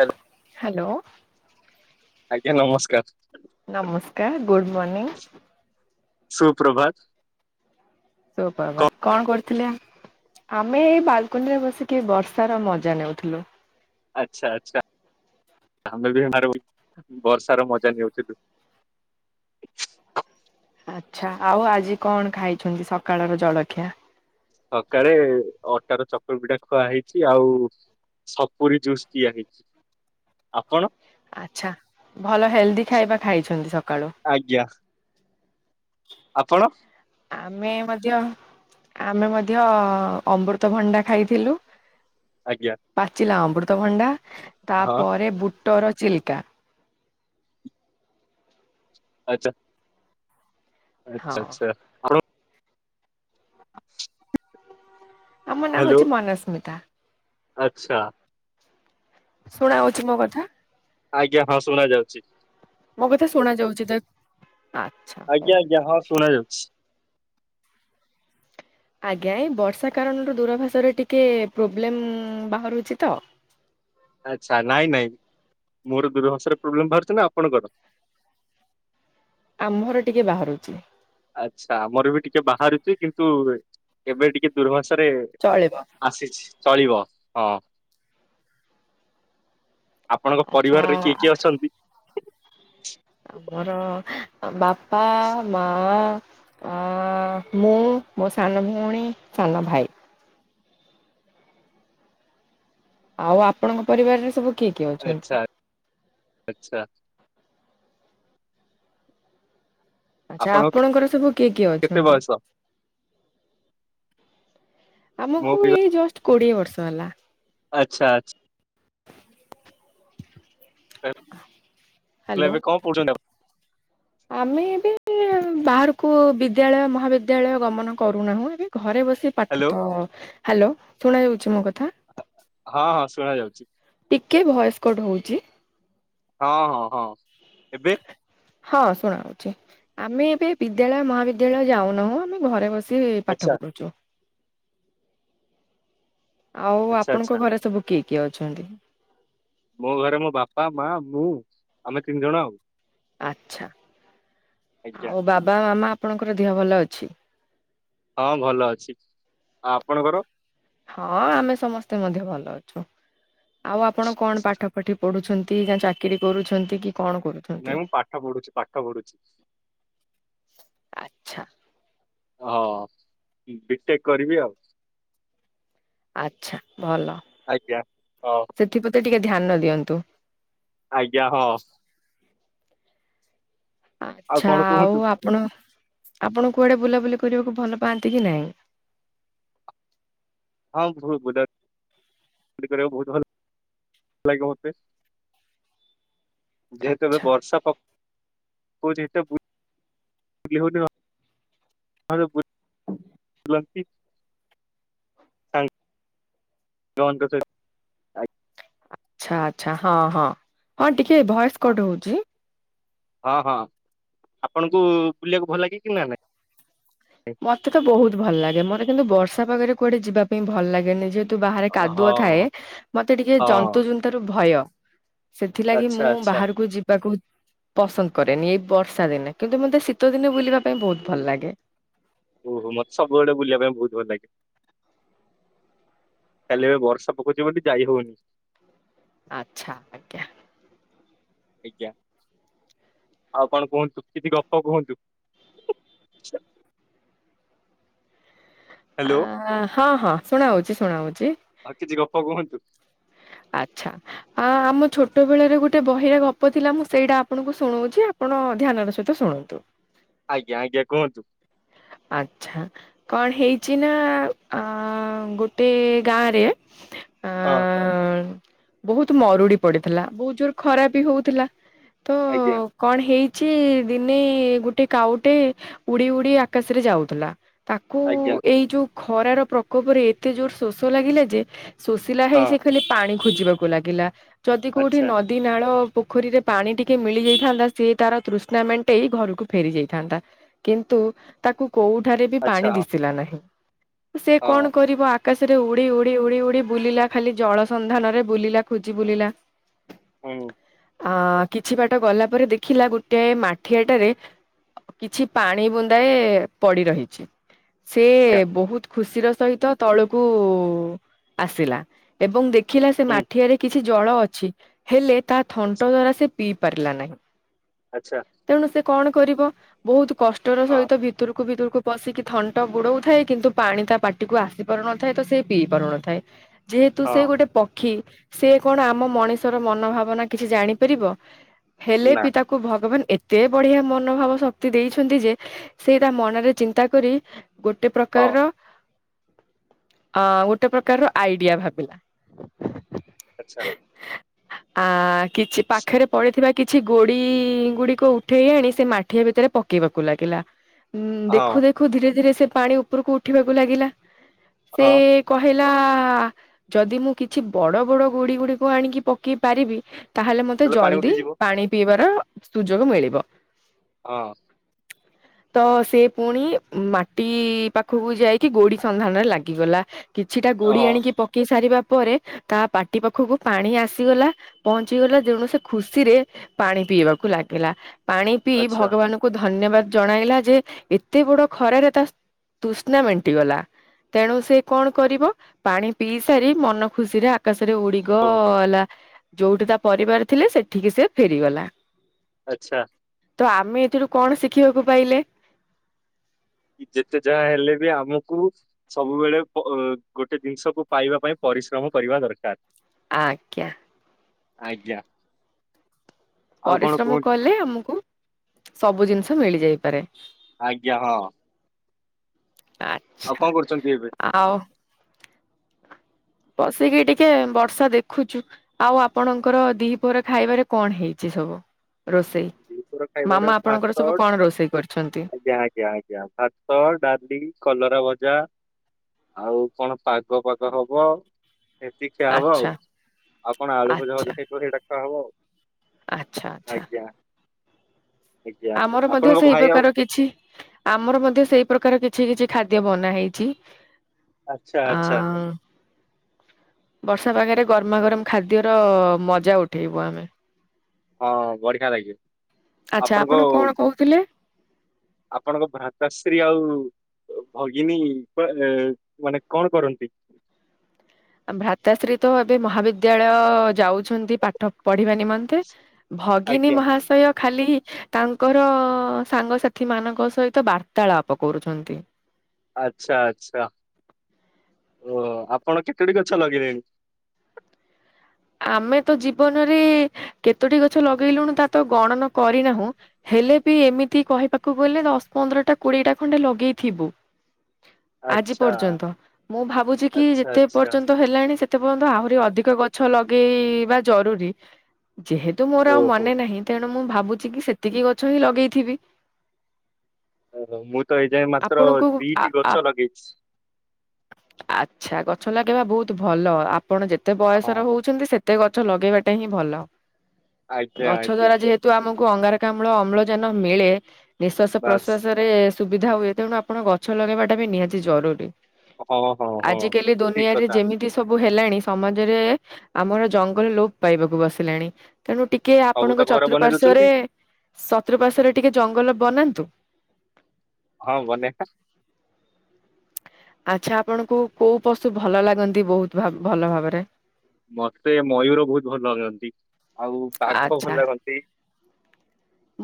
Hello hello. ଆଜ୍ଞା ନମସ୍କାର। ନମସ୍କାର ଗୁଡ଼୍ ମର୍ନିଙ୍ଗ। ସୁପ୍ରଭାତ। କ ସୁପ୍ରଭାତ କଣ କରୁଥିଲେ? ଆମେ ଏଇ ବାଲକୁନିରେ ବସିକି ବର୍ଷାର ମଜା ନେଉଥୁଲୁ। ଆଚ୍ଛା ଆଚ୍ଛା ଆମେ ବି [inaudible] ଆଡୁ ବର୍ଷାର ମଜା ନେଉଥୁଲୁ। ଆଚ୍ଛା ଆଉ ଆଜି କଣ ଖାଇଛନ୍ତି ସକାଳର ଜଳଖିଆ। ସକାଳେ ଅଟାର ଚକୁଳି ପିଠା ଖୁଆହେଇଛି ଆଉ ସପୁରି ଜୁସ୍ ପିଆ ହେଇଛି ଆପଣ ଆଚ୍ଛା ଭଲ ହେଲ୍ଦି ଖାଇବା ଖାଇଛନ୍ତି ସକାଳୁ। ଆଜ୍ଞା। ଆପଣ ଆମେ ମଧ୍ୟ ଆମେ ମଧ୍ୟ ଅମୃତଭଣ୍ଡା ଖାଇଥିଲୁ। ଆଜ୍ଞା। ପାଚିଲା ଅମୃତଭଣ୍ଡା ହଁ ତାପରେ ବୁଟର ଚିଲିକା ଆଚ୍ଛା। ହଁ ଆଚ୍ଛା ଚ୍ଛା। ଆମ ନାଁ ହଉଚି ମନସ୍ମିତା। ଆଛା। ଶୁଣା ହଉଚି ମୋ କଥା। ଆଜ୍ଞା ହଁ ଶୁଣା ଯାଉଚି। ମୋ କଥା ଶୁଣା ଯାଉଚି ତ ଆଛା ଆଜ୍ଞା ହଉ ଆଜ୍ଞା ହଁ ଶୁଣା ଯାଉଛି। ଆଜ୍ଞା ଏଇ ବର୍ଷା କାରଣରୁ ଦୂରାଭାଷାରେ ଟିକେ ପ୍ରୋବ୍ଲେମ୍ ବାହାରୁଛି ତ। ଆଛା ନାଇଁ ନାଇଁ ମୋର ଦୁରଭାଷରେ ପ୍ରୋବ୍ଲେମ ବାହାରୁଚି ନା ଆପଣଙ୍କର? ଆମ୍ଭର ଟିକେ ବାହାରୁଛି। ଆଚ୍ଛା ଆମର ବି ଟିକେ ବାହାରୁଚି କିନ୍ତୁ ଏବେ ଟିକେ ଦୂର୍ଭାଷରେ ଚଳିବ। ଆସିଛି ଚଳିବ ହଁ। ଆପଣଙ୍କ ଆଚ୍ଛା ପରିବାରରେ କିଏ କିଏ ଅଛନ୍ତି? ଆମର ବାପା ମା। ଅ ମୁଁ ମୋ ସାନ ଭଉଣୀ ସାନ ଭାଇ। ଆଉ ଆପଣଙ୍କ ପରିବାରରେ ସବୁ କିଏ କିଏ ଅଛନ୍ତି? ଆଛା। ଆଚ୍ଛା ଆପଣଙ୍କ ଆପଣଙ୍କର ସବୁ କିଏ କିଏ କେତେ ଅଛନ୍ତି? ବୟସ? ମୋ ଆମକୁ ପିବା ଏଇ ଜଷ୍ଟ କୋଡିଏ ବର୍ଷ ହେଲା। ଆଚ୍ଛା ଆଛ ହେଲେ ହ୍ୟାଲୋ ଏବେ କଣ [inaudible] ଆମେ ଏବେ [inaudible] ବାହାରକୁ ବିଦ୍ୟାଳୟ ମହାବିଦ୍ୟାଳୟ ଗମନ କରୁନାହୁଁ ଏବେ ଘରେ ବସି ପାଠ ହ୍ୟାଲୋ ତ ହ୍ୟାଲୋ ଶୁଣାଯାଉଛି ମୋ କଥା ଆ ହଁ ଶୁଣା ଯାଉଛି ଟିକିଏ ଭଏସ୍ କଡ଼ ହଉଛି ହଁ ହଁ ହଁ ଏବେ ହଁ ଶୁଣା ହଉଛି ଆମେ ଏବେ ବିଦ୍ୟାଳୟ ମହାବିଦ୍ୟାଳୟ ଯାଉନାହୁଁ ଆମେ ଘରେ ବସି କି ଆଚ୍ଛା ପାଠ ପଢ଼ୁଛୁ ଆଉ ଆଚ୍ଛା ଆଚ୍ଛା ଆପଣଙ୍କ ଘରେ ସବୁ କିଏ କିଏ ଅଛନ୍ତି ମୋ ଘରେ ମୋ ବାପା ମା ମୁଁ ଆମେ ତିନି ଜଣ ଆଉ ଆଛା ଆଜ୍ଞା ଆଉ ବାବା ମାମା ଆପଣଙ୍କର ଦେହ ଭଲ ଅଛି ହଁ ଭଲ ଅଛି ଆଉ ଆପଣଙ୍କର ହଁ ଆମେ ସମସ୍ତେ ମଧ୍ୟ ଭଲ ଅଛୁ ଆଉ ଆପଣ କଣ ପାଠ ପଠି ପଢୁଛନ୍ତି ନା ଚାକିରୀ କରୁଛନ୍ତି କି କଣ କରୁ ନାଇଁ ମୁଁ ପାଠ ପଢୁଛି ପାଠ ପଢୁଛି ଆଚ୍ଛା ହଁ ବିଟେକ୍ କରିବି ଆଉ ଆଛା ଭଲ ଆଜ୍ଞା ହଉ ସେଥିପ୍ରତି ଟିକେ ଧ୍ୟାନ ଦିଅନ୍ତୁ। ଆଜ୍ଞା ହଁ ଆଛା କଣ ଆଉ କୁହନ୍ତୁ? ଆପଣ ଆପଣ କୁଆଡେ ବୁଲାବୁଲି କରିବାକୁ ଭଲ ପାଆନ୍ତି କି ନାଇଁ ହଁ ବହୁତ ବୁଲେ ବୁଲି କରିବାକୁ ବହୁତ ଭଲ ଲାଗେ ମତେ ଯେହେତୁ ଏ ଆଚ୍ଛା ବର୍ଷା ପ କଉଛି ଏତେ ବୁ ଲି ହଉନି ଏବେ ବୁ ଲନ୍ତି ଜଣଙ୍କ ସହି ଆଚ୍ଛା ଆଚ୍ଛା ହଁ ହଁ ହଁ ଟିକିଏ ଭଏସ୍ କଟ୍ ହଉଛି ହଁ ହଁ ଆପଣଙ୍କୁ ବୁଲିବାକୁ ଭଲ ଲାଗେ କି ନା ନାହିଁ ମତେ ତ ବହୁତ ଭଲ ଲାଗେ ମୋତେ କିନ୍ତୁ ବର୍ଷା ପାଗରେ କୁଆଡେ ଯିବା ପାଇଁ ଭଲ ଲାଗେନି ଯେହ ହେତୁ ବାହାରେ ହଁ କାଦୁଅ ଥାଏ ହଁ ମତେ ଟିକେ ଜନ୍ତୁ ଜୁନ୍ତା ରୁ ଭୟ ସେଥିଲାଗି ଆଚ୍ଛା ମୁଁ ଆଚ୍ଛା ବାହାରକୁ ଯିବାକୁ ପସନ୍ଦ କରେନି ଏଇ ବର୍ଷା ଦିନେ କିନ୍ତୁ ମୋତେ ଶୀତ ଦିନେ ବୁଲିବା ପାଇଁ ବହୁତ ଭଲ ଓହୋ। ଲାଗେ ଓହୋ ମତେ ସବୁଆଡେ ବୁଲିବା ପାଇଁ ବହୁତ ଭଲ ଲାଗେ ଖାଲି ଏବେ ବର୍ଷା ପକଉଛି ବୋଲି ଯାଇ ହଉନି ଆଚ୍ଛା ଆଜ୍ଞା ଆଜ୍ଞା ଆଉ କଣ କୁହନ୍ତୁ କିଛି ଗପ କୁହନ୍ତୁ ହ୍ୟାଲୋ ଆ ହଁ ହଁ ଶୁଣା ହଉଛି ଶୁଣା ହଉଛି ଆଉ କିଛି ଗପ କୁହନ୍ତୁ ଆଚ୍ଛା ଆ ଆମ ଛୋଟ ବେଳରେ ଗୋଟେ ବହିରେ ଗପ ଥିଲା ମୁଁ ସେଇଟା ଆପଣଙ୍କୁ ଶୁଣଉଛି ଆପଣ ଧ୍ୟାନ ର ସହିତ ଶୁଣନ୍ତୁ ଆଜ୍ଞା ଆଜ୍ଞା କୁହନ୍ତୁ ଆଚ୍ଛା କଣ ହେଇଚି ନା ଅ ଗୋଟେ ଗାଁରେ ହଁ ହଁ ବହୁତ ମରୁଡି ପଡିଥିଲା ବହୁତ ଜୋରରେ ଖରା ବି ହଉଥିଲା ତ ଆଜ୍ଞା କଣ ହେଇଛି ଦିନେ ଗୋଟେ କାଉଟେ ଉଡି ଉଡି ଆ କାଶରେ ଯାଉଥିଲା ତାକୁ ଆଜ୍ଞା ଏଇ ଯୋଉ ଖରାର ପ୍ରକୋପରେ ଏତେ ଜୋର ଶୋଷ ଲାଗିଲା ଯେ, ଶୋଷିଲା ହେଇ ହଁ ସେ ଖାଲି ପାଣି ଖୋଜିବାକୁ ଲାଗିଲା, ଯଦି କୋଉଠି ଆଚ୍ଛା ନ ନଦୀ ନାଳ ପୋଖରୀରେ ପାଣି ଟିକେ ମିଳି ଯାଇଥାନ୍ତା, ସିଏ ତାର ତୃଷ୍ଣା ମେଣ୍ଟେଇ ଘରକୁ ଫେରି ଯାଇଥାନ୍ତା। କିନ୍ତୁ ତାକୁ କୋଉଠାରେ ବି ଆଚ୍ଛା ପାଣି ହଁ ଦିଶିଲା ନାହିଁ, ସେ କଣ କରିବ ଆକାଶରେ ଉଡି ଉଡି ଉଡି ଉଡି ବୁଲିଲା ଖାଲି, ଜଳସନ୍ଧାନରେ ବୁଲିଲା, ଖୋଜି ବୁଲିଲା। ହୁଁ ଆ କିଛି ବାଟ ଗଲା ପରେ ଦେଖିଲା ଗୋଟେ ମାଠିଆଟାରେ କିଛି ପାଣି ବୁନ୍ଦାଏ ପଡି ରହିଚି, ସେ ଆଜ୍ଞା, ବହୁତ୍ ଖୁସିର ସହିତ ତଳକୁ ଆସିଲା ଏବଂ ଦେଖିଲା ସେ ହୁଁ ମାଠିଆରେ କି କିଛି ଜଳ ଅଛି, ହେଲେ ତା ଥଣ୍ଟ ଆଚ୍ଛା। ଦ୍ଵାରା ସେ ପିଇ ପାରିଲା ନାହିଁ। ଆଛା। ତେଣୁ ସେ କଣ କରିବ, ବହୁତ କଷ୍ଟର ହଁ ସହିତ ଭିତରକୁ ଭିତରକୁ ପଶିକି ଥଣ୍ଟ ବୁଡଉଥାଏ କିନ୍ତୁ ପାଣି ତା ପାଟିକୁ ଆସି ପାରୁନଥାଏ ତ, ସେ ପିଇ ପାରୁନଥାଏ। ଯେହେତୁ ହଁ ସେ ଗୋଟେ ପକ୍ଷୀ, ସେ କଣ ଆମ ମଣିଷର ମନ ଭାବନା କିଛି ଜାଣିପାରିବ? ହେଲେ ନା ବି ତାକୁ ଭଗବାନ୍ ଏତେ ବଢିଆ ମନୋଭାବ ଶକ୍ତି ଦେଇଛନ୍ତି ଯେ, ସେଇଟା ମନରେ ଚିନ୍ତା କରି ଗୋଟେ ହଁ ପ୍ରକାରର ଅ ଗୋଟେ ପ୍ରକାରର ଆଇଡିଆ ଭାବିଲା। ଆଛା। ଆ କିଛି ପାଖରେ ପଡିଥିବା କିଛି ଗୋଡି ଗୁଡି କୁ ଉଠେଇ ଆଣି ସେ ମାଠିଆ ଭିତରେ ପକେଇବାକୁ ଲାଗିଲା, ଉଁ ହଁ। ଦେଖୁ ଦେଖୁ ଖୁୁ ଧୀରେ ଧୀରେ ସେ ପାଣି ଉପରକୁ ଉଠିବାକୁ ଲାଗିଲା, ସେ ହଁ କହିଲା, ଯଦି ମୁଁ କିଛି ବଡ ବଡ ଗୁଡି ଗୁଡିକୁ ଆଣିକି ପକେଇ ପାରିବି ତାହେଲେ ମତେ ପାଣି ଜଲ୍ ଦି ଉଠିଯିବ ପାଣି ପିଇବାର ସୁଯୋଗ ମିଳିବ। ହଁ। ତ ସେ ପୁଣି ମାଟି ପାଖକୁ ଯାଇକି ଗୋଡି ସନ୍ଧାନରେ ଲାଗିଗଲା। କିଛିଟା ଗୋଡି ହଁ ଆଣିକି ପକେଇ ସାରିବା ପରେ, ତା ପାଟି ପାଖକୁ ପାଣି ଆସିଗଲା ପହଞ୍ଚି ଗଲା, ତେଣୁ ସେ ଖୁସିରେ ପାଣି ପିଇବାକୁ ଲାଗିଲା, ପାଣି ପିଇ ଆଚ୍ଛା ଭଗବାନ୍ କୁ ଧନ୍ୟବାଦ ଜଣାଇଲା ଯେ, ଏତେ ବଡ ଖରାରେ ତା ତୁସ୍ନା ମେଣ୍ଟି ଗଲା। ତେଣୁ ସେ କଣ କରିବ, ପାଣି ପିଇ ସାରି ମନ ଖୁସିରେ ଆ ଆକାଶରେ ଉଡିଗ ହଉ ଅଲା, ଯୋଉଠି ତା ପରିବାର ଥିଲେ, ସେଠିକି ସେ ଫେରିଗଲା। ଆଛା। ତ ଆମେ ଏଥିରୁୁ କଣ ଶିଖିବାକୁ ପାଇଲେ? କି ଯେତେ ଯାହା ହେଲେ ବି ଆମକୁ ସବୁବେଳେ ଗୋ ଗୋଟେ ଜିନିଷକୁୁ ପାଇବା ପାଇଁ ପରିଶ୍ରମ କରିବା ଦରକାର। ଆଜ୍ଞା। ଆଜ୍ଞା। ଆଉ କଣ ପରିଶ୍ରମ କୁହନ୍ତୁ କଲେ ଆମକୁ ସବୁ ଜିନିଷ ମିଳିଯାଇପାରେ। ଆଜ୍ଞା ହଁ। ଆଉ ଆଛା, କଣ କରୁଛନ୍ତି ଏବେ? ଆଉ ବସିକି ଟିକେ ବର୍ଷା ଦେଖୁଚୁ। ଆଉ ଆପଣଙ୍କର ଦି ପହର ଖାଇବାରେ କଣ ହେଇଚି ସବୁ? ରୋଷେଇ, ଦିପହର ଖାଇବାରେ ମାମା ଆପଣଙ୍କର ଭାତ ସବୁ କଣ ରୋଷେଇ କରିଛନ୍ତି? ଆଜ୍ଞା ଆଜ୍ଞା, ଆଜ୍ଞା, ଭାତ୍ ଭାତ, ଡାଲି, କଲରା ଭଜା, ଆଉ କଣ ପାଗ ଫାଗ ହବ। ସେତିିକି ଖିଆ ହବ ଆଚ୍ଛା ଆଉ କଣ ଆଳୁ ଭଜା ଆଚ୍ଛା ଫଜା କରି ଡାକା ହବ। ଆଚ୍ଛା ଆଚ୍ଛା। ଆଜ୍ଞା ଆଜ୍ଞା ଆମର ମଧ୍ୟ ଆପଣଙ୍କ ସେଇ ଭାଇ ଆଉ ପ୍ରକାର କିଛି ଆମର ମଧ୍ୟ ସେଇ ପ୍ରକାର କିଛି କିଛି ଖାଦ୍ୟ ବନା ହେଇଛି। ଆଚ୍ଛା ଆଚ୍ଛା ଆଁ ବର୍ଷା ପାଗରେ ଗରମା ଗରମ ଖାଦ୍ୟର ମଜା ଉଠେଇବୁ ଆମେ। ହଁ ବଢିଆ ଲାଗେ ଆଚ୍ଛା ଆପଣଙ୍କୁ ଆପଣ କଣ କହୁଥିଲେ? ଆପଣଙ୍କ ଭ୍ରାତା ଶ୍ରୀ ଆଉ ଭଗିନୀ କୁ ଆ ମାନେ କଣ କରନ୍ତି? ଭ୍ରାତାଶ୍ରୀ ତ ଏବେ ମହାବିଦ୍ୟାଳୟ ଯାଉଛନ୍ତି ପାଠ ପଢିବା ନିମ ନ୍ତେ ଭଗିନୀ ଆଜ୍ଞା ମହାଶୟ ଖାଲି ତାଙ୍କର ସାଙ୍ଗସାଥି ମାନଙ୍କ ସହିତ ବାର୍ତାଳାପ କରୁଛନ୍ତି। ଆଚ୍ଛା ଆଚ୍ଛା ଓ ଆପଣ କେତୋଟି ଗଛ ଲଗେଇଲେଣି? ଆମେ ତ ଜୀବନରେ କେତୋଟି ଗଛ ଲଗେଇଲୁଣି ତା ତ ଗଣନ କରିନାହୁଁ। ହେଲେ ବି ଏମିତି କହିବାକୁ ଗଲେ ଦଶ ପନ୍ଦରଟା କୋଡିଏଟା ଖଣ୍ଡେ ଲଗେଇଥିବୁ। ଆଜି ଆଚ୍ଛା ପର୍ଯ୍ୟନ୍ତ ମୁଁ ଭାବୁଛି କି ଆଚ୍ଛା ଯେତେ ଆଚ୍ଛା ପର୍ଯ୍ୟନ୍ତ ହେଲାଣି ସେତେ ପର୍ଯ୍ୟନ୍ତ ଆହୁରି ଅଧିକ ଗଛ ଗଛ ଲଗେଇବା ଜରୁରୀ, ଯେହେତୁ ମୋର ଆଉ ଓହୋ ମନେ ନାହିଁ। ତେଣୁ ମୁଁ ଭାବୁଛି କି ସେତିକି ଗଛ ହିଁ ଲଗେଇଥିବି। ଓ ମୁଁ ତ ଏଇଯାଏଁ ମାତ୍ର ଆପଣଙ୍କୁ ଆ ଦିଟି ଆ ଗଛ ଲଗେଇଛି। ଆଚ୍ଛା ଗଛ ଲଗେଇବା ବହୁତ ଭଲ ଆପଣ ଯେତେ ହଁ ବୟସର ହଉଛନ୍ତି ସେ ତେ ଗଛ ଲଗେଇବାଟା ହିଁ ଭଲ, ଆଜ୍ଞା ଗଛ ଆଜ୍ଞା ଦ୍ଵାରା ଯେହେତୁ ତୁ ଆମକୁ ଅଙ୍ଗାରକାମ୍ଳ ଅମ୍ଳ ଯାନ ମିଳେ ନିଶ୍ଵାସ ବାସ୍ ପ୍ରଶ୍ଵାସ ବେ ସୁବିଧା ହୁଏ ତେଣୁ ଆପଣ ଗଛ ଲଗାଇବାଟା ନିହାତ ଜରୁରୀ। ହଁ ହଁ ହଁ ଆଜ କାଲି ଠିକ ଦୁନିଆରେ କଥା। ଯେମିତି ସବୁ ହେଲାଣି ସମାଜରେ ଆମର ଜଙ୍ଗଲ ଲୋପ ପାଇବାକୁ ବସିଲାଣି। ତେଣୁ ଟିକେ ସବୁ ତ ଆପଣଙ୍କ ଘର ବନେଇ ଚତୁଃପାର୍ଶ୍ଵରେ ଦଉଛନ୍ତି ଚତୁଃପାର୍ଶ୍ଵରେ ଟିକେ ଜଙ୍ଗଲ ବନାନ୍ତୁ। ହଁ ବନେଇବା। ଆଚ୍ଛା ଆପଣଙ୍କୁ କୋଉ ପଶୁ ଭଲ ଲାଗନ୍ତି ବହୁତ ଭଲ ଭାବରେ? ମତେ ମୟୂର ବହୁତ ଭଲ ଲାଗନ୍ତି ଆଉ ବାଘ ଭଲ ଆଚ୍ଛା ଲାଗନ୍ତି।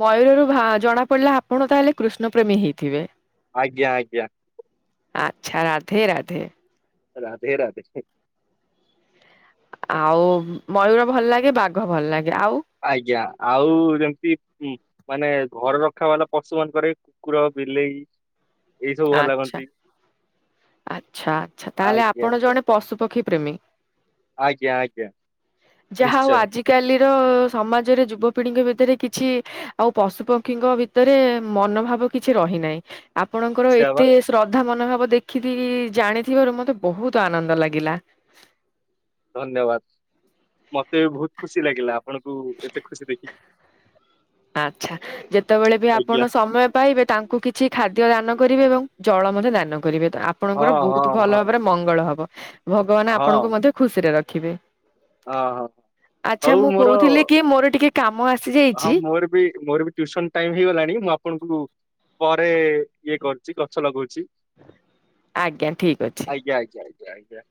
ମୟୂରରୁ ଭା ଜଣା ପଡିଲେ ଆପଣ ତାହେଲେ କୃଷ୍ଣ ପ୍ରେମୀ ହେଇଥିବେ। ଆଜ୍ଞା ଆଜ୍ଞା। ଆଚ୍ଛା ରାଧେ ରାଧେ। ରାଧେ ରାଧେ। ଆଉ ମୟୂୁର ଭଲ ଲାଗେ, ବାଘ ଭଲ ଲାଗେ। ଆଉ? ଆଜ୍ଞା ଆଉ ଯେମତି ଉଁ ମାନେ ଘର ରଖା ବାଲା ପଶୁ ମାନଙ୍କରେ କୁକୁର, ବିଲେଇ ଏଇ ସବୁ ଭଲ ଆଚ୍ଛା ଲାଗନ୍ତି। ଆଚ୍ଛା ଆଚ୍ଛା ତାହେଲେ ଆଜ୍ଞା ଆପଣ ଜଣେ ପଶୁପକ୍ଷୀ ପ୍ରେମୀ। ଆଜ୍ଞା ଆଜ୍ଞା। ଯାହା ହଉ ନିଶ୍ଚୟ ଆଜିକାଲିର ସମାଜରେ ଯୁବପିଢିଙ୍କ ଭିତରେ କିଛି ଆଉ ପଶୁପକ୍ଷୀଙ୍କ ଭିତରେ ମନୋଭାବ କିଛି ରହିନାହିଁ ଆପଣଙ୍କର ସେୟା ବା ଏତେ ଶ୍ରଦ୍ଧା ମନୋଭାବ ଦେଖିଲି ଜାଣିଥିବାରୁ ମତେ ବହୁତ ଆନନ୍ଦ ଲାଗିଲା। ଧନ୍ୟବାଦ। ମତେ ବହୁତ ଖୁସି ଲାଗିଲା ଆପଣଙ୍କୁ ଏତେ ଖୁସି ଦେଖିକି। ଆଚ୍ଛା ଯେତେବେଳେ ବି ଆଜ୍ଞା ଆପଣ ସମୟ ପାଇବେ ତାଙ୍କୁ କିଛି ଖାଦ୍ୟ ଦାନ କରିବେ, ଏବଂ ଜଳ ମଧ୍ୟ ଦାନ କରିବେ, ତ ହଁ ଆପଣଙ୍କର ହଁ ବହୁତ ଭଲ ହଁ। ଭାବରେ ମଙ୍ଗଳ ହବ। ଭଗବାନ ହଁ ଆପଣଙ୍କୁ ମଧ୍ୟ ଖୁସିରେ ରଖିବେ। ହଁ ହଁ। ଆଚ୍ଛା ଆଉ ମୁଁ ମୋର ହଁ କହୁଥିଲି କି ମୋର ଟିକେ କାମ ଆଉ ଆସିଯାଇଛି ମୋର ବି ମୋର ବି ଟିଉସନ ଟାଇମ ହେଇଗଲାଣି ମୁଁ ଆପଣଙ୍କୁ ପରେ ଇଏ କରୁଛି ଗଛ ଲଗଉଛି। ଆଜ୍ଞା ଠିକ ଅଛି। ଆଜ୍ଞା ଆଜ୍ଞା ଆଜ୍ଞା ଆଜ୍ଞା।